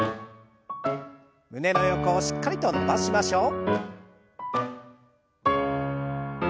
胸の横をしっかりと伸ばしましょう。